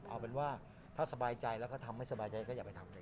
เอาเป็นว่าถ้าสบายใจแล้วก็ทำให้สบายใจก็อย่าไปทำเลย